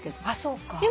あっそうか。